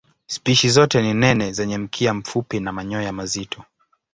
Spishi zote ni nene zenye mkia mfupi na manyoya mazito.